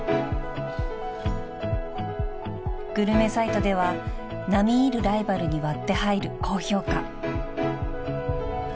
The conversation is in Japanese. ［グルメサイトでは並み居るライバルに割って入る高評価］